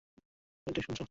তুমি ঠিক শুনেছো।